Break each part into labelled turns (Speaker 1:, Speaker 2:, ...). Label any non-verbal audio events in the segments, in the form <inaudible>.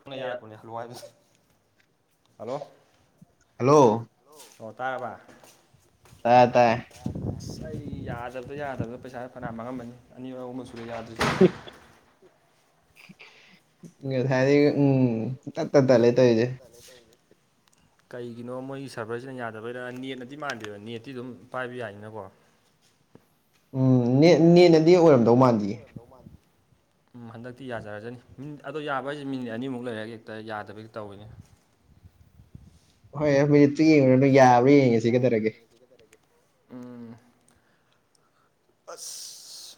Speaker 1: ꯅꯪꯅ ꯌꯥꯔꯛꯄꯣꯅꯦ ꯍꯜꯂꯨ ꯍꯥꯏꯕꯁꯦ ꯍꯜꯂꯣ ꯑꯣ ꯇꯥꯕ
Speaker 2: ꯇꯥꯏ ꯇꯥꯏ
Speaker 1: ꯑꯁ ꯑꯩ ꯌꯥꯗꯕꯗ ꯌꯥꯗꯕꯗ ꯄꯩꯁꯥꯗ ꯐꯅꯌꯥꯝ ꯃꯥꯡꯉꯝꯃꯅꯤ ꯑꯅꯤ ꯑꯔꯛꯍꯨꯝ ꯑꯃꯁꯨ ꯄꯂ ꯌꯥꯗ
Speaker 2: ꯊꯗꯤ ꯎꯝ ꯇ ꯇ ꯇ ꯂꯩꯦꯇꯖꯦ
Speaker 1: ꯀꯩꯒꯤꯅꯣ ꯃꯣꯏꯒꯤ ꯁꯔꯚꯔꯁꯤꯅ ꯌꯥꯗꯕꯩꯗ ꯅꯦꯠꯅꯗꯤ ꯃꯥꯟꯗꯦꯕ ꯅꯦꯠꯇꯤ ꯑꯗꯨꯝ ꯄꯥꯏꯕ ꯌꯥꯏꯅꯀꯣ <unintelligible>
Speaker 2: ꯎꯝ ꯅꯦꯅꯗꯤ ꯑꯣꯏꯔꯝꯗꯧ ꯃꯥꯟꯗꯌꯦ
Speaker 1: ꯎꯝ ꯍꯟꯗꯛꯇꯤ ꯌꯥꯖꯔꯖꯅꯤ ꯃꯤ ꯑꯗꯣ ꯌꯥꯕ ꯍꯥꯏꯁꯦ ꯃꯤꯅꯤꯠ ꯑꯅꯤꯃꯨꯛ ꯂꯩꯔꯒ ꯍꯦꯛꯇ ꯌꯥꯗꯕꯒꯤ ꯇꯧꯋꯤꯅꯦ <unintelligible>
Speaker 2: ꯍꯣꯏ ꯃꯤꯅꯤꯠꯇꯨ ꯌꯦꯡꯉꯨꯔꯅ ꯌꯥꯕ꯭ꯔꯥ ꯌꯦꯡꯉꯁꯤ ꯀꯩꯗꯧꯔꯒꯦ
Speaker 1: ꯑꯁ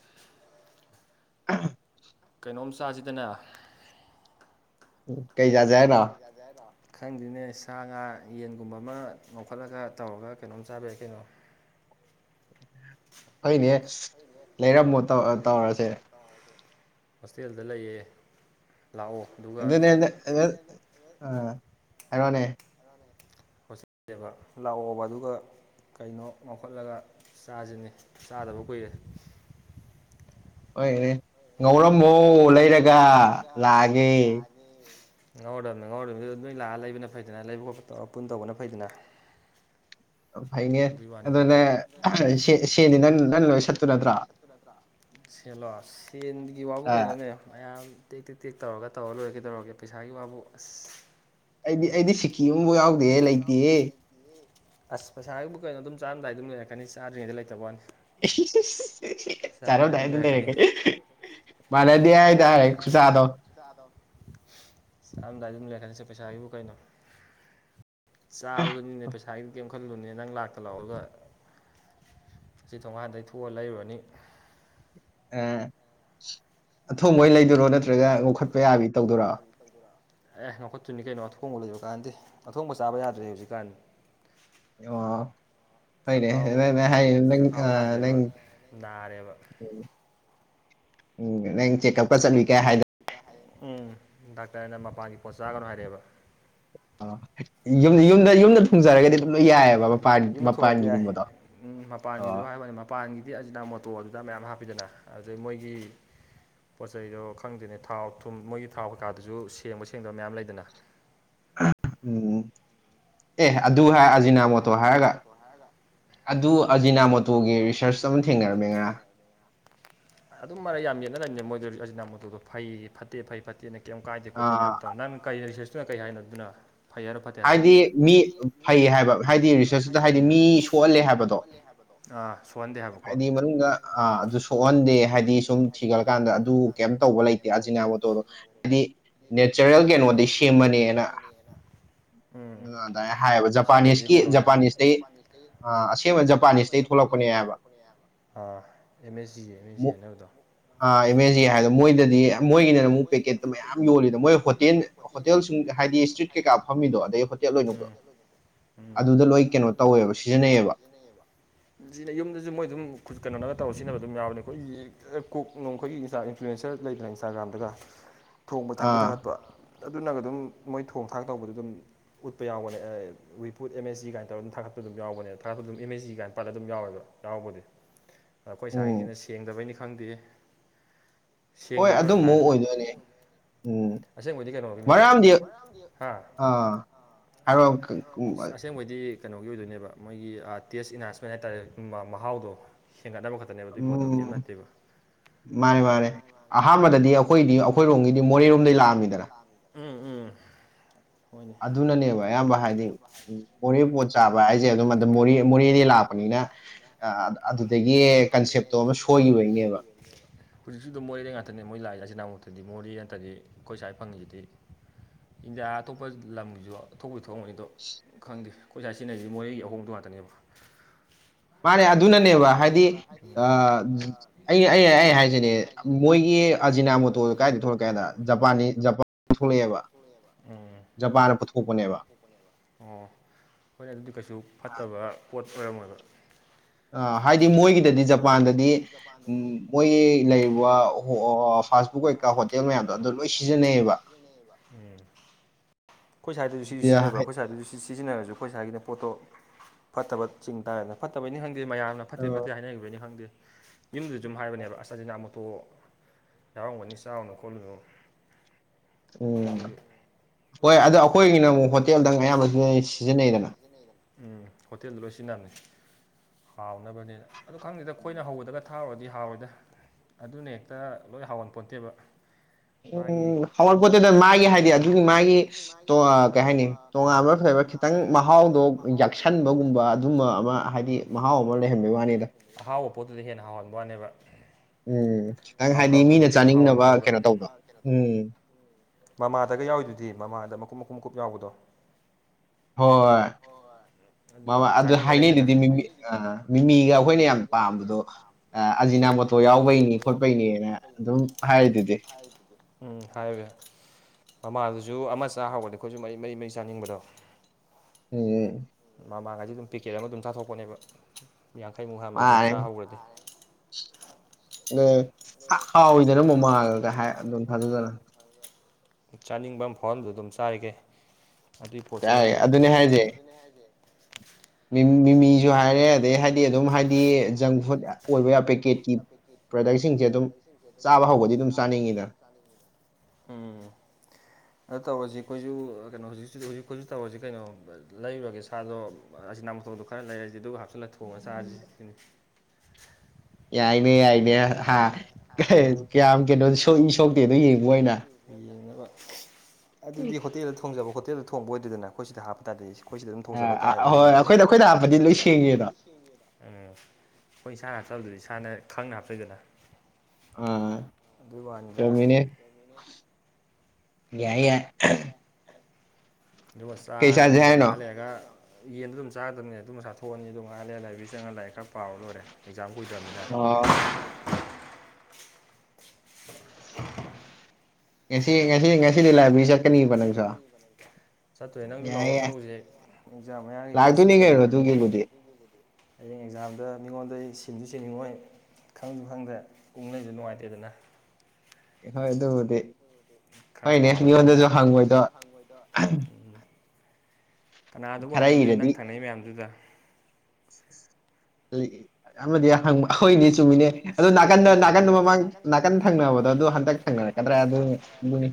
Speaker 2: <unintelligible>
Speaker 1: ꯀꯩꯅꯣꯝ ꯆꯥꯁꯤꯗꯅ
Speaker 2: ꯀꯩ ꯌꯥꯖꯏꯅ
Speaker 1: ꯈꯪꯗꯣꯏꯅꯦ ꯁꯥ ꯉꯥ ꯌꯦꯟꯒꯨꯝꯕ ꯑꯃ ꯂꯧꯣꯛꯈꯠꯂꯒ ꯇꯧꯔꯒ ꯀꯩꯅꯣꯝ ꯆꯥꯕꯤꯔꯛꯦ ꯀꯩꯅꯣ <unintelligible>
Speaker 2: ꯑꯩꯅꯦ ꯂꯩꯔꯝꯃꯣ ꯇꯧꯔꯁꯦ
Speaker 1: ꯍꯣꯁꯇꯦꯜꯗ ꯂꯩꯌꯦ
Speaker 2: ꯑꯗꯨ ꯑ ꯑꯔꯣꯅꯦꯦ
Speaker 1: ꯦꯕ ꯂꯥꯛꯑꯣꯕ ꯑꯗꯨꯒ ꯀꯩꯅꯣ ꯉꯈꯠꯂꯒ ꯆꯥꯁꯤꯅꯤ ꯆꯥꯗꯕ ꯀꯨꯏꯔꯦ
Speaker 2: ꯍꯣꯏ ꯉꯧꯔꯝꯃꯣ ꯂꯩꯔꯒ ꯂꯥꯛꯑꯒꯦ
Speaker 1: ꯉꯥꯎꯧꯗꯕꯅꯤ ꯉꯥꯎꯗꯃꯤꯅꯤꯗꯨꯗ ꯅꯣꯏ ꯂꯥꯛꯑ ꯂꯩꯕꯅ ꯐꯩꯗꯅ ꯂꯩꯕ ꯈꯣꯠꯄ ꯇꯧꯔ ꯄꯨꯟ ꯇꯧꯕꯅ ꯐꯩꯗꯅ ꯏꯕꯥꯅꯤꯗ ꯂꯠꯄ ꯅꯠꯇ꯭ꯔꯥ ꯁꯦꯜꯂꯣ ꯁꯦꯟꯒꯤ ꯋꯥꯕꯨ ꯀꯩꯅꯣꯅꯦ ꯃꯌꯥꯝ ꯇꯦꯛ ꯇꯦꯛ ꯇꯦꯛ ꯇꯧꯔꯒ ꯇꯧꯔ ꯂꯣꯏꯔꯒꯦ ꯇꯧꯔꯒꯦ ꯄꯩꯁꯥꯒꯤ ꯋꯥꯕꯨ ꯑꯁ
Speaker 2: ꯑꯩꯗꯤ ꯑꯩꯗꯤ ꯐꯤꯀꯤꯒꯨꯝꯐ ꯌꯥꯎꯗꯦ ꯂꯩꯇꯦ
Speaker 1: ꯑꯁ ꯄꯩꯁꯥꯁꯤꯕꯨ ꯀꯩꯅꯣ ꯑꯗꯨꯝ ꯆꯥꯔꯝꯗꯥꯏ ꯑꯗꯨꯝ ꯂꯩꯔꯛꯀꯅꯤ ꯆꯥꯗ꯭ꯔꯤꯉꯩ ꯂꯩꯇꯕ ꯋꯥꯅꯤ
Speaker 2: ꯆꯔꯣ ꯇꯥꯏꯗ ꯂꯩꯔꯦ ꯃꯥꯅꯦꯗꯤ
Speaker 1: ꯗ ꯁꯥꯕꯨ ꯀꯩꯅꯣ ꯆꯥꯕꯗꯨꯅꯤꯅꯦ ꯄꯩꯁꯥꯒꯤ ꯈꯜꯂꯨꯅꯦ ꯅꯪ ꯂꯥꯛꯇ ꯂꯥꯛꯑꯒ ꯑꯁꯤ ꯊꯣꯡꯍꯥꯟꯗꯒꯤꯩ ꯊꯣꯛꯑ ꯂꯩꯔꯨꯔꯅꯤ
Speaker 2: ꯑꯦ ꯑꯊꯣꯡꯕꯣꯏ ꯂꯩꯗꯣꯏꯔꯣ ꯅꯠꯇ꯭ꯔꯒ ꯌꯣꯛꯈꯠꯄ ꯌꯥꯕꯤ ꯇꯧꯗꯣꯏꯔ
Speaker 1: ꯑꯦ ꯂꯧꯣꯛꯈꯠꯇꯣꯏꯅꯤ ꯀꯩꯅꯣ ꯑꯊꯣꯡꯕ ꯂꯩꯕ ꯀꯥꯟꯗꯤ ꯑꯊꯣꯡꯕ ꯆꯥꯕ ꯌꯥꯗ꯭ꯔꯦ ꯍꯧꯖꯤꯛꯀꯥꯟꯗꯤ
Speaker 2: ꯑꯦ ꯍꯅꯦ ꯍꯥꯏ ꯑ
Speaker 1: <inaudible>
Speaker 2: ꯎꯝ ꯅꯪ ꯆꯦꯛꯑꯞꯀ ꯆꯠꯂꯨꯏ ꯀꯩ ꯍꯥꯏꯗ
Speaker 1: ꯎꯝ ꯗꯥꯛꯇꯔꯅ ꯃꯄꯥꯟꯒꯤ ꯄꯣꯠ ꯆꯒꯅꯣ ꯍꯥꯏꯔꯛꯑꯦꯕ
Speaker 2: ꯌꯨꯝ ꯌꯨꯝꯗ ꯌꯨꯝꯗ ꯊꯨꯡꯖꯔꯒꯗꯤ
Speaker 1: ꯌꯨꯝ ꯊꯣꯡꯉꯗꯤ ꯌꯥꯏ ꯎꯝ ꯃꯄꯥꯟꯒꯤꯗ ꯍꯥꯏꯕꯅꯤ ꯃꯄꯥꯟꯒꯤꯗꯤ ꯑꯗꯨꯖꯤꯅ ꯃꯣꯇꯣ ꯑꯗꯨꯤꯗ ꯃꯌꯥꯝ ꯍꯥꯞꯄꯤꯗꯅ ꯑꯗꯨꯗꯩ ꯃꯣꯏꯒꯤ ꯄꯣꯠ ꯆꯩꯗꯣ ꯈꯪꯗꯦꯅꯦ ꯊꯥꯎ ꯊꯨꯝ ꯃꯣꯏꯒꯤ ꯊꯥꯎ ꯀꯩꯀꯥꯗꯨꯁꯨ ꯁꯦꯡꯕ ꯁꯦꯡꯗꯕ ꯃꯌꯥꯝ ꯂꯩꯗꯅ
Speaker 2: ꯎꯝ ꯑꯦ ꯑꯗꯨ ꯍꯥꯏ ꯑꯖꯤꯅꯥ ꯃꯣꯇꯣ ꯍꯥꯏꯔꯒ ꯑꯗꯨ ꯑꯖꯤꯅꯥ ꯃꯣꯇꯣꯒꯤ ꯔꯤꯁꯔꯁ ꯑꯃ ꯊꯦꯡꯅꯔꯝꯃꯤꯔꯥ
Speaker 1: ꯑꯗꯨꯝ ꯃꯔꯦ ꯌꯥꯝ ꯌꯦꯠꯅ ꯂꯩꯅꯦ ꯃꯣꯏꯗ ꯅ ꯃꯨꯨꯗꯣ ꯐꯩ ꯐꯠꯇꯦ ꯐꯩ ꯐꯠꯇꯦꯅ ꯀꯩꯝ ꯀꯥꯏꯗꯦ ꯈꯣꯠꯇꯦꯅ ꯌꯥꯝ ꯇꯧꯔ ꯅꯪ ꯀꯩ ꯔꯤꯁꯔꯁꯇꯅ ꯀꯩ ꯍꯥꯏꯅꯣꯗꯨꯅ
Speaker 2: ꯍꯥꯏꯗꯤ ꯃꯤ ꯐꯩ ꯍꯥꯏꯕ ꯍꯥꯏꯗꯤ ꯔꯤꯁꯔꯁꯇꯨꯗ ꯍꯥꯏꯗꯤ ꯃꯤ ꯁꯣꯛꯍꯜꯂꯦ ꯍꯥꯏꯕꯗꯣ ꯍꯥꯏꯗꯤ ꯃꯅꯨꯡꯗ ꯑ ꯑꯗꯨ ꯁꯣꯛꯍꯟꯗꯦ ꯍꯥꯏꯗꯤ ꯁꯨꯝ ꯊꯤꯒꯠꯂꯀꯥꯟꯗ ꯑꯗꯨ ꯀꯩꯝ ꯇꯧꯕ ꯂꯩꯇꯦ ꯑꯖꯤꯅꯥꯕꯣꯇꯣꯗꯣ ꯍꯥꯏꯗꯤ ꯅꯦꯆꯔꯦꯜ ꯀꯩꯅꯣꯗꯤ ꯁꯦꯝꯃꯅꯦꯅ ꯑꯗꯨꯥꯏ ꯍꯥꯏ
Speaker 1: ꯑꯁꯦꯡꯕꯩꯗꯤ ꯀꯩꯅꯣꯅꯦꯕ ꯑꯦꯝ ꯑꯦꯁꯖꯤ ꯑꯦꯝ ꯑꯦꯁꯖꯤ ꯑꯅꯕꯗꯣ
Speaker 2: ꯑ ꯑꯦꯝ ꯑꯦ ꯖꯤ ꯍꯥꯏꯗꯣ ꯃꯣꯏꯗꯗꯤ ꯃꯣꯏꯒꯤꯅ ꯑꯃꯨꯛ ꯄꯦꯀꯦꯠꯇ ꯃꯌꯥꯝ ꯌꯣꯜꯂꯤꯗ ꯃꯣꯏ ꯍꯣꯇꯦꯜ ꯍꯣꯇꯦꯜ ꯁ ꯍꯥꯏꯗꯤ ꯏꯁꯇ꯭ꯔꯤꯠ ꯀꯩꯀꯥ ꯐꯝꯃꯤꯗꯣ ꯑꯗꯗꯒꯤ ꯍꯣꯇꯦꯜ ꯑꯣꯏꯅꯕꯗꯣ ꯑꯗꯨꯗ ꯂꯣꯏ ꯀꯩꯅꯣ ꯇꯧꯋꯦꯕ ꯁꯤꯖꯤꯟꯅꯩꯌꯦꯕ
Speaker 1: ꯁꯤꯖꯤꯟꯅꯕ ꯑꯗꯨꯝ ꯌꯥꯕ ꯑꯩꯈꯣꯏꯒꯤ ꯀꯣꯛꯅꯨꯡ ꯑꯩꯈꯣꯏꯒꯤ ꯏꯟꯐ꯭ꯂꯨꯋꯌꯦꯟꯁꯔ ꯂꯩꯗꯅ ꯏꯟꯁꯇꯥꯒ꯭ꯔꯥꯝꯗꯒ ꯊꯣꯡꯕ ꯊꯥꯛꯄ ꯊꯥꯛꯀꯠꯄ ꯑꯗꯨꯅꯒ ꯑꯗꯨꯝ ꯃꯣꯏ ꯊꯣꯡ ꯊꯥꯛ ꯇꯧꯕꯗ ꯑꯗꯨꯝ ꯎꯠꯄ ꯌꯥꯎꯕꯅꯦ ꯋꯤꯄꯨꯠ ꯑ ꯑꯦꯁ ꯖꯤ ꯀꯥꯏꯅ ꯇꯧꯔ ꯑꯗꯨꯝ ꯊꯥꯒꯠꯄ ꯑꯗꯨꯝ ꯌꯥꯎꯕꯅꯦ ꯊꯥꯒꯠꯄ ꯑꯗꯨꯝ ꯑ ꯑꯦꯁ ꯖꯤ ꯀꯥꯏꯅ ꯄꯠ ꯑꯗꯨꯝ ꯌꯥꯎꯋꯦꯕ ꯌꯥꯎꯕꯗꯤ ꯑꯩꯈꯣꯏ ꯁ꯭ꯋꯥꯏꯁꯤꯅ ꯁꯦꯡꯗꯕꯩꯅꯤ ꯈꯪꯗꯦ
Speaker 2: ꯍꯣꯏ ꯑꯗꯨꯝꯃꯨꯛ ꯑꯣꯏꯗꯣꯏꯅꯦ
Speaker 1: ꯑꯁꯦꯡꯕꯗꯤ ꯀꯩꯅꯣꯒꯤꯅꯦꯕ ꯑꯁꯦꯡꯕꯗꯤ ꯀꯩꯅꯣꯒꯤ ꯑꯣꯏꯗꯣꯏꯅꯦꯕ ꯃꯣꯏꯒꯤ ꯇꯦꯁ ꯏꯅꯥꯍꯁꯃꯦꯟ ꯍꯥꯏꯇꯥꯔꯦ ꯃꯍꯥꯎꯗꯣ ꯍꯦꯟꯒꯠꯅꯕ ꯈꯛꯇꯅꯦꯕ ꯑꯗꯨꯒꯤ ꯄꯣꯠꯇꯣ ꯀꯩꯝ ꯅꯠꯇꯦꯕ
Speaker 2: ꯃꯥꯅꯦ ꯃꯥꯅꯦ ꯑꯍꯥꯟꯕꯗꯗꯤ ꯑꯩꯈꯣꯏꯗꯤ ꯑꯩꯈꯣꯏꯔꯣꯝꯒꯤꯗꯤ ꯃꯣꯔꯦꯔꯣꯝꯗꯒꯤꯩ ꯂꯥꯛꯑꯝꯃꯤꯗꯅ
Speaker 1: ꯎꯝ ꯎꯝ
Speaker 2: ꯑꯗꯨꯅꯅꯦꯕ ꯑꯌꯥꯝꯕ ꯍꯥꯏꯗꯤ ꯃꯣꯔꯦ ꯄꯣꯠ ꯆꯥꯕ ꯍꯥꯏꯁꯦ ꯑꯗꯨ ꯃꯣꯔꯦꯗꯤ ꯂꯥꯛꯄꯅꯤꯅ ꯑꯗꯨꯗꯒꯤ ꯀꯟꯁꯦꯞꯇꯣ ꯑꯃ ꯍꯒꯤꯕꯅꯤꯦꯕ
Speaker 1: ꯍꯧꯖꯤꯛꯁꯨ ꯑꯗꯨꯝ ꯃꯣꯔꯦꯗ ꯉꯥꯛꯇꯅꯦ ꯃꯣꯏ ꯀꯅꯥꯃꯨꯛꯇꯗꯤ ꯃꯣꯔꯦ ꯅꯠꯇ꯭ꯔꯗꯤ ꯑꯩꯈꯣꯏ ꯁ꯭ꯋꯥꯏ ꯐꯪꯉꯤꯁꯤꯗꯤ ꯏꯟꯗꯤꯌꯥ ꯑꯇꯣꯞꯄ ꯂꯝꯒꯤꯁꯨ ꯑꯊꯄꯩ ꯊꯣꯛꯑꯕꯅꯤꯗꯣ ꯈꯪꯗꯦ ꯀꯣꯏꯁꯥ ꯁꯤꯅꯁꯤ ꯃꯣꯔꯦ ꯑꯍꯣꯡꯗꯨ ꯉꯥꯛꯇꯅꯦꯕ
Speaker 2: ꯃꯥꯅꯦ ꯑꯗꯨꯅꯅꯦꯕ ꯍꯥꯏꯗꯤ ꯑꯩ ꯑꯩ ꯑꯩ ꯍꯥꯏꯁꯤꯅꯦ ꯃꯣꯏꯒꯤ ꯑꯖꯤꯅꯥ ꯃꯨꯇꯣꯣ ꯀꯥꯏꯗꯤ ꯊꯣꯛꯂꯛꯀꯦꯗ ꯖꯄꯅꯤꯖ ꯊꯂꯛꯑꯦꯕ ꯖꯄꯥꯟꯗ ꯄꯨꯊꯣꯛꯄꯅꯦꯕ
Speaker 1: ꯍꯣꯏꯅ ꯑꯗꯨꯗꯤ ꯀꯩꯁꯨ ꯐꯠꯇꯕ ꯄꯣꯠ ꯑꯣꯏꯔꯝꯃꯦꯕ
Speaker 2: ꯑ ꯍꯥꯏꯗꯤ ꯃꯣꯏꯒꯤꯗꯗꯤ ꯖꯄꯥꯟꯗꯗꯤ ꯃꯣꯏꯒꯤ ꯂꯩꯔꯤꯕ
Speaker 1: ꯐꯅꯦꯕ ꯑꯩꯣꯏ ꯁ꯭ꯏꯗꯁꯨ ꯁꯤꯟꯅꯕ꯭ꯔꯥꯈꯣꯏ ꯁ꯭ꯏꯗ ꯁꯤ ꯁꯤꯖꯤꯟꯅꯔꯁꯨ ꯑꯩꯈꯣꯏ ꯁ ꯏꯁꯥꯒꯤꯅ ꯄꯣꯠꯇꯣ ꯐꯠꯇꯕ ꯆꯤꯡ ꯇꯥꯔꯦꯅ ꯐꯠꯇꯕꯩꯅꯤ ꯈꯪ ꯃꯌꯥꯝꯅ ꯐꯠꯇꯦ ꯐꯠꯇꯦ ꯍꯥꯏꯅꯈꯤꯕꯅꯤ ꯈꯪꯗꯦ ꯌꯨꯝꯗꯨꯗ ꯑꯗꯨꯝ ꯍꯥꯏꯕꯅꯦꯕ ꯑꯁꯖꯤꯅꯥ ꯃꯇꯨꯇꯣ ꯌꯥꯎꯔꯝꯒꯅꯤ ꯆꯥꯎꯔꯨꯅꯨ ꯈꯣꯠꯂꯨꯅꯨ
Speaker 2: ꯎꯝ ꯍꯣꯏ ꯑꯗꯣ ꯑꯩꯈꯣꯏꯒꯤꯅ ꯑꯃꯨꯛ ꯍꯣꯇꯦꯜꯗꯪ ꯑꯌꯥꯝꯕ ꯁꯤꯖꯤꯟꯅꯩ
Speaker 1: ꯎꯝ ꯍꯣꯇꯦꯜꯗ ꯂꯣꯏ ꯁꯤꯟꯅꯔꯅꯤ ꯍꯥꯎꯅꯕꯅꯤꯅ ꯑꯗꯨ ꯈꯪꯗꯦꯗ ꯑꯩꯈꯣꯏꯅ ꯍꯧꯒꯗꯒ ꯊꯥꯔꯨꯔꯗꯤ ꯍꯥꯎꯔꯣꯏꯗ ꯑꯗꯨꯅ ꯍꯦꯛꯇ ꯂꯣꯏ ꯍꯥꯎꯍꯟꯄꯣꯠꯇꯦꯕ ꯃꯥꯒꯤ ꯃꯥꯒꯤ ꯍꯥꯏꯗꯤ ꯑꯗꯨꯒꯤ ꯃꯥꯒꯤ ꯀꯩ ꯍꯥꯏꯅꯤꯉ ꯍꯥꯎꯑꯣ ꯄꯣꯠꯇ ꯍꯦꯦꯟ ꯍꯥꯎꯍꯟꯕ ꯋꯥꯅꯦꯕ
Speaker 2: ꯎꯝ ꯈꯤꯇꯪ ꯍꯥꯏꯗꯤ ꯃꯤꯅ ꯆꯥꯅꯤꯡꯅꯕ ꯀꯩꯅꯣ ꯇꯧꯕꯗꯣ ꯎꯝ
Speaker 1: ꯃꯃꯥꯗꯒ ꯌꯥꯎꯏꯗꯨꯗꯤ ꯃꯃꯥꯗ ꯃꯈꯀꯨꯞ ꯃꯈꯀꯨꯝꯀꯨꯞ ꯌꯥꯎꯕꯗꯣ
Speaker 2: ꯍꯣꯏ
Speaker 1: ꯍ
Speaker 2: ꯑꯗꯨ ꯍꯥꯏꯅꯩꯗꯨꯗꯤ ꯃꯤꯃꯤ ꯃꯤꯃꯤꯒ ꯑꯩꯈꯣꯏꯅ ꯌꯥꯝ ꯄꯥꯝꯕꯗꯣ ꯑꯖꯤꯅꯥ
Speaker 1: ꯎꯝ ꯍꯥꯏꯕ ꯃꯃꯥꯗꯨꯁꯨ ꯑꯃ ꯆꯥ ꯍꯧꯕꯅꯦ ꯑꯩꯈꯣꯏꯁꯨ ꯃꯔꯤ ꯃꯔꯤ ꯃꯩ ꯆꯥꯅꯤꯡꯕꯗꯣ
Speaker 2: ꯑꯣꯝ
Speaker 1: ꯃꯃꯥꯡꯉꯩꯗꯤ ꯑꯗꯨꯝ ꯄꯦꯛꯀꯦꯠ ꯑꯃ ꯑꯗꯨꯝ ꯆꯥꯊꯣꯛꯄꯅꯦꯕ ꯌꯥꯡꯈꯩꯃꯨꯛ ꯍꯥꯟꯕꯗ ꯑꯗꯨꯝ ꯆꯥꯍꯧꯈ꯭ꯔꯗꯤ
Speaker 2: ꯑ ꯍꯥꯎꯋꯤꯗꯅ ꯃꯃꯥꯜꯂꯒ ꯍꯥꯏ ꯑꯗꯨꯝ ꯐꯖꯗꯅ
Speaker 1: ꯆꯥꯅꯤꯡꯕ ꯃꯐꯝꯗꯨ ꯑꯗꯨꯝ ꯆꯥꯒꯦ
Speaker 2: ꯌꯥꯏ ꯑꯗꯨꯅꯤ ꯍꯥꯏꯁꯦ ꯃꯤꯃꯤꯁꯨ ꯍꯥꯏꯔꯦ ꯑꯗꯩ ꯍꯥꯏꯕꯗꯤ ꯑꯗꯨꯝ ꯍꯥꯏꯕꯗꯤ ꯖꯪ ꯐꯨꯗ ꯑꯣꯏꯕ ꯌꯥ ꯄꯦꯀꯦꯠꯀꯤ ꯄ꯭ꯔꯗꯛꯁꯤꯡꯁꯦ ꯑꯗꯨꯝ ꯆꯥꯕ ꯍꯧꯕꯗꯤ ꯑꯗꯨꯝ ꯆꯥꯅꯤꯡꯉꯤꯗ
Speaker 1: ꯎꯝ ꯅ ꯇꯧꯁꯤ ꯑꯩꯈꯣꯏꯁꯨ ꯀꯩꯅꯣ ꯍꯧꯖꯤꯛꯖꯤꯛ ꯍꯧꯖꯤꯛ ꯍꯧꯖꯤꯛꯧꯔꯁꯤ ꯀꯩꯅꯣ ꯂꯩꯔꯤꯕꯔꯒꯒꯤ ꯁꯥꯗꯣ ꯑꯁꯤ ꯅꯥꯃꯊꯣꯛꯗꯣ ꯈꯔ ꯂꯩꯔꯁꯤ ꯑꯗꯨꯒ ꯍꯥꯞꯆꯤꯜꯂꯛꯦ ꯊꯣꯡꯉꯒ ꯆꯥꯔꯤꯁꯤ ꯁꯤꯅꯤ
Speaker 2: ꯌꯥꯏꯅꯦ ꯌꯥꯏꯅꯦ ꯍꯥ ꯀꯌꯥꯝ ꯀꯩꯅꯣ ꯁꯣꯛꯏ ꯁꯣꯛꯇꯦꯗꯣ ꯌꯦꯡꯕ ꯑꯣꯏꯅ
Speaker 1: ꯑꯗꯨꯗꯤ ꯍꯣꯇꯦꯜꯗ ꯊꯣꯡꯖꯕ ꯍꯣꯇꯦꯜꯗ ꯊꯣꯡꯕ ꯑꯣꯏꯗꯅ ꯑꯩꯈꯣꯏ ꯁꯤꯗ ꯍꯥꯞꯄ ꯇꯥꯔꯦ ꯑꯩꯁꯦ ꯑꯩꯈꯣꯏꯁꯤꯗ ꯑꯗꯨꯝ ꯊꯣꯛꯆꯕ ꯇꯥꯔꯗꯅ ꯌꯨꯝꯗ ꯎꯝ ꯑꯩꯣꯏ ꯏꯁꯥꯅ ꯍꯥꯞꯆꯜꯕꯗꯨꯗꯤ ꯏꯁꯥꯅ ꯈꯪꯅ ꯍꯥꯞꯆꯣꯏꯗꯅ
Speaker 2: ꯑꯥ ꯆꯧꯃꯤꯅꯤ ꯌꯥꯏ
Speaker 1: ꯑꯗꯨꯒ ꯆꯥꯔꯅꯤ ꯑꯗꯨꯒ ꯉꯥꯏꯍꯥ ꯂꯩꯔꯒ ꯌꯦꯟꯗꯣ ꯑꯗꯨꯝ ꯆꯥꯗꯕꯅꯤ ꯑꯗꯨꯝ ꯃ ꯆꯥꯣꯛꯑꯅꯤ ꯑꯗꯨꯝꯉꯥꯏꯜꯂꯦ ꯂꯥꯏꯕꯤꯔ ꯆꯪꯒ ꯂꯥꯏꯑꯛ ꯈꯔ ꯄꯥꯎꯔ ꯂꯣꯏꯔꯦ ꯖ ꯑꯣꯏꯗꯃꯤ
Speaker 2: ꯉꯁꯤ ꯉꯁꯤ ꯉꯁꯤꯗꯤ ꯂꯥꯏꯕꯔꯤ ꯆꯠꯀꯅꯤꯕ ꯅꯪꯁꯥ
Speaker 1: ꯆꯠꯇꯣꯏ ꯅꯪꯁꯨ ꯂꯥꯛꯑꯣ ꯆꯠꯨꯁꯦ ꯑꯦꯛꯖꯥ ꯃꯌꯥꯒꯤ ꯈꯔ ꯆꯠꯇꯗꯤ ꯀꯩꯅꯣꯅꯤ ꯍꯌꯦꯡ ꯑꯦꯛꯖꯥꯝꯗ ꯃꯤꯉꯣꯟꯗ ꯆꯟꯁꯨ ꯆꯦꯟꯅꯤꯡꯉꯣꯏ ꯈꯪꯁꯨ ꯈꯪꯗꯦ ꯎꯅꯁꯨ ꯅꯨꯡꯉꯥꯏꯇꯦꯗꯅ
Speaker 2: ꯍꯣꯏ ꯑꯗꯨꯕꯨꯗꯤ
Speaker 1: ꯈꯔ ꯄꯥꯍꯥꯎꯗꯨꯅ ꯎ ꯀꯅꯥꯗꯨꯕꯨ ꯍꯧꯅꯗꯣꯏꯅꯣ ꯅꯪ ꯊꯪꯅꯩ ꯃꯌꯥꯝꯗꯨꯗ
Speaker 2: ꯌꯥꯝꯗꯤ ꯑꯩꯈꯣꯏꯅꯤ ꯆꯨꯝꯃꯤꯅꯦ ꯑꯗꯨꯣ ꯅꯥꯀꯟꯗ ꯅꯥꯀꯟꯗ ꯃꯃꯥꯡ ꯅꯥꯀꯟ ꯊꯪꯅꯕꯗꯣ ꯑꯗꯨ ꯍꯟꯗꯛ ꯊꯪꯅꯔꯛꯀꯗ꯭ꯔꯥ ꯑꯗꯨ ꯒꯅꯤ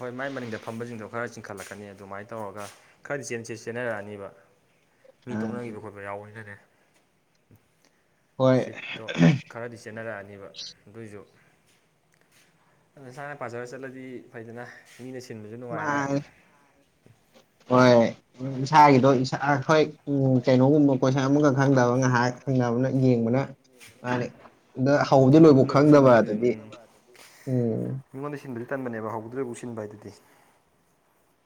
Speaker 1: ꯍꯣꯏ ꯃꯥꯏ ꯃꯅꯤꯡꯗ ꯐꯝꯕꯁꯤꯡꯗꯣ ꯈꯔ ꯆꯤꯡꯈꯠꯂꯛꯀꯅꯤ ꯑꯗꯨꯃꯥꯏꯅ ꯇꯧꯔꯒ ꯈꯔꯗꯤ ꯆꯦꯟꯅꯔꯛꯑꯅꯤꯕ ꯃꯤ ꯇꯣꯛꯅꯈꯤꯕ ꯈꯣꯠꯄ ꯌꯥꯎꯕꯖꯗꯦ ꯁꯤꯠꯇꯣ ꯈꯔꯗꯤ ꯆꯦꯟꯅꯔꯛꯑꯅꯤꯕ ꯑꯗꯨꯑꯣꯏꯁꯨ ꯑꯗꯨ ꯅꯁꯥꯅ ꯄꯥꯖꯔ ꯆꯠꯂꯗꯤ ꯐꯩꯗꯅ ꯃꯤꯅ ꯁꯤꯟꯕꯁꯨ ꯅꯨꯡꯉꯥꯏꯔꯦ
Speaker 2: ꯍꯣꯏ ꯏꯁꯥꯒꯤꯗꯣ ꯍꯣꯏ ꯎ ꯀꯩꯅꯣꯒꯨꯝꯕ ꯀꯣꯏꯁꯟ ꯑꯃꯈꯛ ꯈꯪꯗꯕ ꯉꯥꯏꯍꯥꯛ ꯈꯪꯗꯕꯅ ꯌꯦꯡꯕꯅ ꯃꯥꯅꯤ ꯍꯗꯤ ꯂꯣꯏꯕꯨ ꯈꯪꯗꯕ ꯑꯗꯨꯗꯤ
Speaker 1: ꯃꯤꯉꯣꯟꯗ ꯁꯤꯟꯕꯗꯤ ꯇꯟꯕꯅꯦꯕ ꯍꯗ꯭ꯔꯣꯏꯐꯥꯎ ꯁꯤꯟꯕ ꯍꯥꯏꯗꯨꯗꯤ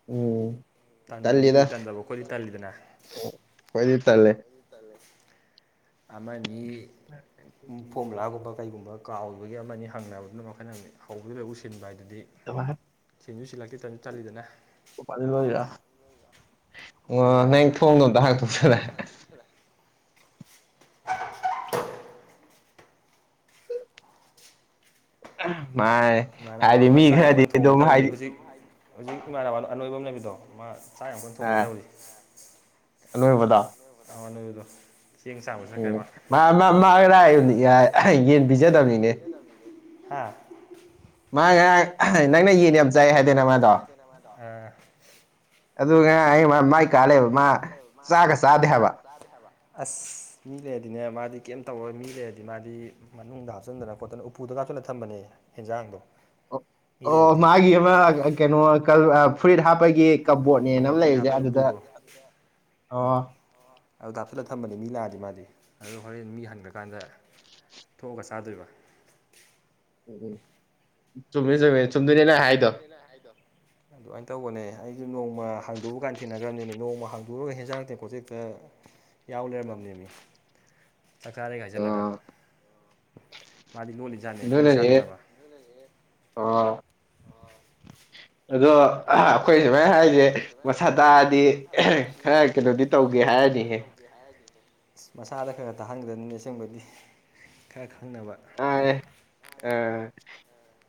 Speaker 2: ꯎꯝ
Speaker 1: ꯇꯥꯟꯗꯕ ꯃꯤꯕꯨꯗꯤ ꯇꯥꯟꯗꯕ ꯑꯩꯈꯣꯏꯗꯤ ꯇꯜꯂꯤꯗꯅ
Speaker 2: ꯇꯂꯦ
Speaker 1: ꯑꯃ ꯃꯤ ꯐꯣꯝꯂꯥꯒꯨꯝꯕ ꯀꯩꯒꯨꯝꯕ ꯀꯥꯎꯕꯒꯤ ꯑꯃꯅꯤ ꯍꯪꯅꯕꯗꯨꯅ ꯃꯈꯜꯅ ꯍꯧꯕꯗꯨ ꯂꯣꯏ ꯎꯁꯤꯟꯕ ꯍꯥꯏꯗꯨꯗꯤ ꯀꯩꯅꯨꯁꯤ ꯂꯥꯛꯇꯦ ꯇꯥꯅꯨ ꯇꯥꯜꯂꯤꯗꯅ
Speaker 2: ꯄ ꯂ ꯌꯥ ꯑꯣ ꯅꯪ ꯊꯣꯡꯗꯣꯝꯇ ꯍꯥꯡꯇꯣꯛꯆꯔꯦ <unintelligible> <inaudible> ꯃꯥꯥꯏ ꯍꯥꯏꯗꯤ ꯃꯤ ꯈꯔꯗꯤ ꯑꯗꯨꯝ ꯍꯥꯏꯗꯤ
Speaker 1: ꯍꯧꯖꯤꯛ ꯏꯃꯥꯟꯅꯕꯅꯣ ꯑꯅꯣꯏꯕ ꯑꯃ ꯂꯩꯕꯤꯗꯣ ꯃꯥ ꯆꯥꯛ ꯌꯥꯝ ꯀꯟꯅ ꯊꯣꯡꯒꯗꯕꯅꯤ
Speaker 2: ꯀꯩꯅꯣꯕꯥ
Speaker 1: ꯊꯅꯗ
Speaker 2: ꯎꯝ ꯃꯥ ꯃꯥ ꯃꯥꯔ ꯌꯦꯟ ꯄꯤꯖꯗꯕꯅꯤꯅꯦ
Speaker 1: ꯍꯥ
Speaker 2: ꯃꯥꯒꯦ
Speaker 1: ꯃꯥ ꯅꯪꯅ ꯌꯦꯖꯥꯏ ꯍꯥꯏꯗꯅ ꯃꯥꯗꯣ
Speaker 2: ꯑꯩ ꯃ ꯃꯥꯏ ꯀꯥꯂꯦ ꯃꯥ ꯆꯒ ꯁꯥꯗ ꯍꯥꯏꯕ
Speaker 1: ꯑꯁ ꯃꯤ ꯂꯩꯔꯗꯤꯅꯦ ꯃꯥꯗꯤ ꯀꯩꯝ ꯇꯧꯔ ꯃꯤ ꯂꯩꯔꯗꯤ ꯃꯥꯗꯤ ꯃꯅꯨꯡꯗ ꯍꯥꯞꯆꯤꯟꯗꯅ ꯈꯣꯠꯇꯅ ꯎꯨ ꯎꯗꯒꯥꯍꯞꯆꯜꯂ ꯊꯝꯕꯅꯦ ꯌꯦꯟꯖꯥꯡꯗꯣ
Speaker 2: ꯑꯣ ꯑꯣ ꯃꯥꯒꯤ ꯑꯃ ꯀꯩꯅꯣ ꯐꯨꯔꯤꯠ ꯍꯥꯞꯄꯒꯤ ꯀꯞꯕꯣꯔꯠꯅꯦꯅ ꯑꯃ ꯂꯩ
Speaker 1: ꯍꯥꯕꯩ ꯎꯄꯨꯗꯣ ꯎꯝ ꯑꯗꯨꯗ ꯍꯞꯆꯜꯂ ꯊꯝꯕꯅꯦ ꯃꯤ ꯂꯥꯛꯑꯗꯤ ꯃꯥꯗꯤ ꯑꯗꫭ ꯍꯣꯔꯦꯟ ꯃꯤ ꯍꯟꯈ꯭ꯔꯀꯥꯟꯗ ꯊꯣꯛꯑꯒ ꯆꯥꯗꯣꯏꯕ
Speaker 2: ꯆꯨꯝꯃꯦ ꯆꯨꯝꯃꯦ ꯆꯨꯝꯗꯣꯏꯅꯦ ꯅꯪ ꯍꯥꯏꯗꯣ
Speaker 1: ꯑꯗꯨꯃꯥꯏꯅ ꯇꯧꯕꯅꯦ ꯑꯩꯁꯨ ꯅꯣꯡꯃ ꯍꯥꯡꯗꯣꯛꯎꯨ ꯀꯥꯟ ꯊꯦꯡꯅꯈ꯭ꯔꯕꯅꯦꯕ ꯅꯣꯡꯃ ꯍꯥꯡꯗꫭꯛꯎꯔꯒ ꯍꯦꯟꯖꯥꯡ ꯍ‌ꯦꯟꯖꯥꯡ ꯇ‌ꯦꯡꯀꫭꯠꯁ‌ꯦ ꯍ‌ꯦꯛꯇꯥ ꯌꯥꯎ ꯂꯩꯔꯝꯃꯕꯅꯦ ꯃꯤ ꯆꯥꯛꯆꯥꯥꯔꯦ ꯍꯥꯏꯖꯜꯂꯒ ꯃꯥꯗꯤ ꯂꯣꯂꯤꯖꯥꯠꯅꯦ ꯃꯤ ꯆꯥꯗꯅꯕ
Speaker 2: ꯑꯗꯨ ꯑꯩꯈꯣꯏ ꯁꯨꯃꯥꯏꯅ ꯍꯥꯏꯔꯤꯁꯦ ꯃꯁꯥ ꯇꯥꯔꯗꯤ ꯈꯔ ꯀꯩꯅꯣꯗꯤ ꯇꯧꯒꯦ ꯍꯥꯏꯔꯅꯤꯍꯦ
Speaker 1: ꯃꯁꯥꯗ ꯈꯔ ꯇꯥꯍꯟꯒꯗꯕꯅꯤ ꯑꯁꯦꯡꯕꯗꯤ ꯈꯔ ꯈꯪ
Speaker 2: ꯃꯥꯟꯅ‌ꯦ ꯑꯥ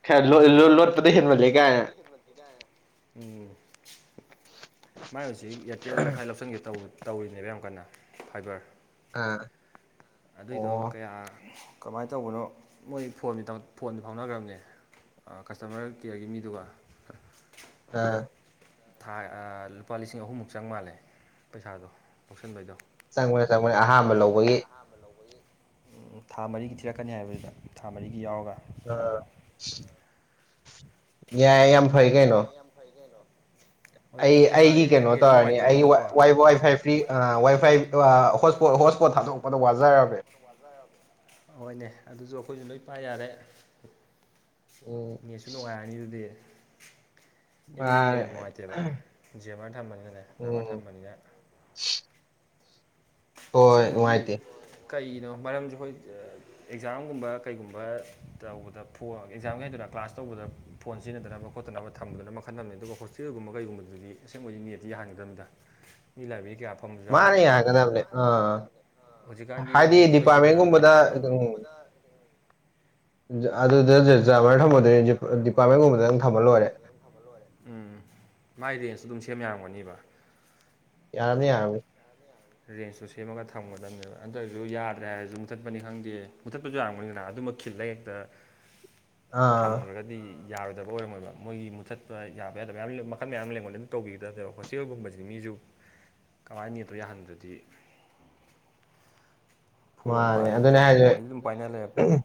Speaker 2: ꯈꯥꯔ ꯂꫭ ꯂꫭ ꯂꯣꯠꯄꯗꫭ ꯍꯟꯃꯟꯂ‌ꯦ ꯀꯥꯏꯅ
Speaker 1: ꯃꯥꯏ ꯍꯧꯖꯤꯛ ꯏꯌꯥꯔꯇꯦꯜ ꯋꯥꯏꯐꯥꯏ ꯂꯧꯁꯤꯟꯒꯦ ꯇꯧꯔꯤꯅꯦꯕ ꯌꯥꯝ ꯀꯟꯅ ꯐꯥꯏꯕꯔ
Speaker 2: ꯑꯥ
Speaker 1: ꯑꯗꯨꯏꯗꯣ ꯀꯌꯥ ꯀꯃꯥꯏꯅ ꯇꯧꯕꯅꯣ ꯃꯣꯏ ꯐꯣꯟ ꯐꯣꯟꯗꯨ ꯐꯥꯎꯅꯈ꯭ꯔꯕꯅꯦ ꯀꯁꯇꯃꯔ ꯀꯦꯌꯔꯒꯤ ꯃꯤꯗꯨꯒ
Speaker 2: ꯑꯥ
Speaker 1: ꯊꯥ ꯂꯨꯄꯥ ꯂꯤꯁꯤꯡ ꯑꯍꯨꯝꯃꯨꯛ ꯆꯪ ꯃꯥꯜꯂꯦ ꯄꯩꯁꯥꯗꯣ ꯂꯧꯁꯟꯕꯩꯗꯣ
Speaker 2: ꯆꯪꯕꯅꯤ ꯆꯪꯕꯅꯦ ꯑꯍꯥꯟꯕ ꯂꯧꯕꯒꯤ
Speaker 1: ꯎꯝ ꯊꯥ ꯃꯔꯤꯒꯤ ꯊꯤꯔꯛꯀꯅꯤ ꯍꯥꯏꯕꯗꯨꯗ ꯊꯥ ꯃꯔꯤꯒꯤ ꯌꯥꯎꯔꯒ ꯄꯩꯁꯗꫭ
Speaker 2: ꯌꯥꯏ ꯌꯥꯝ ꯐꯩ ꯀꯩꯅꯣ ꯑꯩ ꯑꯩꯒꯤ ꯀꯩꯅꯣ ꯇꯧꯔꯅꯤ ꯑꯩꯒꯤ ꯋꯥꯏ ꯐꯥꯏ ꯐ꯭ꯔꯤ ꯋꯥꯏ ꯐꯥꯏ ꯍꯣꯠꯁ ꯄꫭꯠ ꯄꯣꯠ ꯊꯥꯗꯣꯛꯄꯗ ꯋꯥꯖꯔꯕꯅ‌ꯦ
Speaker 1: ꯍꯣꯏꯅꯦ ꯑꯩꯈꯣꯏꯁꯨ ꯂꯣꯏ ꯄꯥꯏ ꯌꯥꯔꯦ ꯅꯦꯠꯁꯨ ꯅꯨꯡꯉꯥꯏꯔꯅꯤ ꯑꯗꯨꯗꯤ ꯏꯃꯅ ꯌꯥꯝ ꯅꯨꯡꯉꯥꯏꯇꯦꯕ ꯖꯃꯔ ꯊꯝꯕꯅꯤꯅꯅꯦ ꯖꯥꯃ ꯊꯝꯕꯅꯤꯅ <unintelligible>
Speaker 2: ꯍꯣꯏ ꯅꯨꯉꯥꯏꯇ‌ꯦ
Speaker 1: ꯀꯩꯅꯣ ꯃꯔꯝꯗꯤ ꯑꯩꯈꯣꯏ ꯑꯦꯛꯖꯥꯝꯒꯨꯝꯕ ꯀꯩꯒꯨꯝꯕ ꯇꯧꯕꯗ ꯐꯣꯟ ꯑꯦꯛꯖꯥꯝꯒꯤ ꯍꯥꯏꯗꫭꯏꯔꯥ ꯀ꯭ꯂꯥꯁ ꯇꯧꯕꯗ ꯐꯣꯟ ꯁꯤꯖꯤꯟꯅꯗꯅꯕ ꯈꯈꯣꯠꯇꯅꯕ ꯊꯝꯗꯨꯅ ꯃꯈꯜꯂꯝꯅꯤ ꯑꯗꯨꯒ ꯍꯣꯁꯇꯦꯜꯒꯨꯝꯕ ꯀꯩꯒꯨꯝꯕꯗꯨꯗꯤ ꯑꯁꯦꯡꯕꯗꯤ ꯃꯤꯠꯇꯗꯤ ꯌꯥꯟꯒꯗꯕꯅꯤꯗ ꯃꯂꯕꯤ ꯀ <unintelligible>
Speaker 2: ꯃꯥꯅ ꯌꯥꯍꯟꯒꯗꯕꯅꯦ ꯑꯥ
Speaker 1: ꯍꯧꯖꯤꯛꯀꯥꯟꯗꯤ ꯅꯦꯠꯇ ꯂꫭꯏ ꯁꯤꯖꯤꯟꯅꯔꯕꯅꯤꯅꯥ
Speaker 2: ꯑꯗꯨ
Speaker 1: ꯂꯣꯏꯔꯦꯝꯥꯏꯝ <unintelligible> ꯁꯦꯝ ꯌꯥꯔꯝꯒꯅꯤꯕ
Speaker 2: ꯌꯥꯔꯝꯅꯤ ꯌꯥꯔꯝꯅꯤ
Speaker 1: ꯔꯦꯟꯁꯇꯨ ꯁꯦꯝꯃꯒ ꯊꯝꯒꯗꯕꯅꯦꯕ ꯑꯗꯨꯟꯇ ꯑꯣꯏꯔꯁꯨ ꯌꯥꯗ꯭ꯔꯦ ꯍꯥꯏꯔꯁꯨ ꯃꯨꯊꯠꯄꯅꯤ ꯈꯪꯗꯦ ꯃꯨꯊꯠꯄꯁꯨ ꯌꯥꯔꯝꯒꯅꯤꯕꫪꯗꯅꯥ ꯑꯃꯛ ꯈꯤꯜꯂ ꯍꯦꯛꯇ ꯊꯝꯈ꯭ꯔꯒꯗꯤ ꯌꯥꯔꯣꯏꯗꯕ ꯑꯣꯏꯔꯝꯃꯣꯏꯕ ꯃꯣꯏꯒꯤ ꯃꯨꯊꯠꯄ ꯌꯥꯕ ꯌꯥꯗꯕ ꯃꯌꯥꯝ ꯃꯈꯜ ꯃꯌꯥꯝ ꯂꯩꯃꯣꯟꯂꯅ ꯇꯧꯕꯤꯒꯗꯕꯕ ꯍꯣꯁꯇꯦꯜꯒꯨꯝꯕꯁꯤꯗꯤ ꯃꯤ ꯑꯩꯁꯨ ꯀꯃꯥꯏꯅ ꯅ‌ꯦꯠꯧꯇꫭ ꯌꯥꯍꯟꯗꯗꯤ ꯐꯣꯟ ꯄꯥꯏꯕ ꯈꯣꯠꯄ ꯐꯣꯟꯁꯤ ꯑꯗꯨꯝ ꯄꯥꯏꯅꯍꯜ ꯂꯩꯦ ꯐꯣꯟꯅꯤ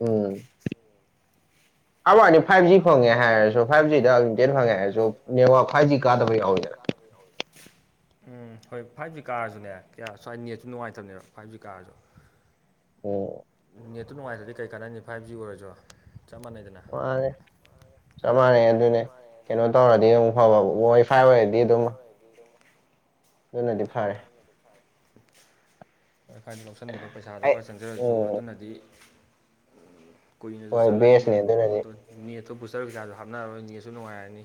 Speaker 2: ꯎꯝ ꯑꯋꯥꯅꯤ <unintelligible> ꯐꯥꯏꯚ ꯖꯤ ꯐꯪꯉꯦ ꯍꯥꯏꯔꯁꯨ ꯐꯥꯏꯚ ꯖꯤꯗ ꯏꯇꯦꯠ ꯐꯪꯉꯦ ꯍꯥꯏꯔꯁꯨ ꯅꯦꯠꯋꯥꯛ ꯐꯥꯏꯚ ꯖꯤ ꯀꯥꯗꯕ ꯌꯥꯎꯋꯤꯗꯅ
Speaker 1: <unintelligible> ꯎꯝ ꯍꯣꯏ ꯐꯥꯏꯚ ꯖꯤ ꯀꯥꯔꯁꯨꯅꯦ ꯀꯌꯥ ꯁ꯭ꯋꯥꯏ ꯅꯦꯠꯁꯨ ꯅꯨꯡꯉꯥꯏꯇꯕꯅꯦꯕ ꯐꯥꯏꯚ ꯖꯤ ꯀꯥꯔꯁꯨ ꯅꯦꯠꯇꯨ ꯅꯨꯡꯉꯥꯏꯇ꯭ꯔꯗꯤ ꯀꯩ ꯀꯥꯟꯅꯅꯤ ꯐꯥꯏꯚ ꯖꯤ ꯑꯣꯏꯔꯁꯨ ꯆꯞ ꯃꯥꯟꯅꯩꯗꯅ
Speaker 2: ꯆꯞ ꯃꯥꯟꯅꯩ ꯑꯗꯨꯅꯦ ꯀꯩꯅꯣ ꯇꯧꯔꯗꯤ ꯑꯗꯨꯝ ꯐꯕ ꯋꯥꯏ ꯐꯥꯏ ꯑꯣꯏꯔꯗꯤ ꯑꯗꯨꯝ ꯑꯗꯨꯅꯗꯤ ꯐꯔꯦ
Speaker 1: ꯈꯥꯏꯅ ꯂꯧꯁꯤꯟꯕꯗꯣ ꯄꯩꯁꯥꯗꯣ ꯈꯔ ꯆꯪꯖꯔꯁꯨ ꯑꯗꯨꯅꯗꯤ ꯀꯨꯏꯅꯁꯨ ꯆꯠꯂꯅꯤ ꯑꯣꯇꯣ ꯅꯦꯠ ꯑꯗꯨ ꯕꯨꯁꯇꯔ ꯀꯩꯖꯥꯗꯁꯨ ꯍꯥꯞꯅꯔꯔꯣꯏꯅꯤꯁꯨ ꯅꯨꯡꯉꯥꯏꯔꯅꯤ